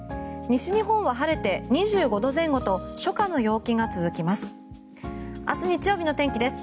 西日本は晴れて２５度前後と初夏の陽気が続きます。